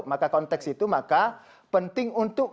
maka konteks itu maka penting untuk